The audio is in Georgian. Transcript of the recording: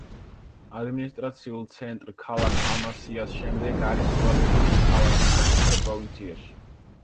ადმინისტრაციულ ცენტრ, ქალაქ ამასიას შემდეგ, არის ყველაზე დიდი ქალაქი საკუთარ პროვინციაში.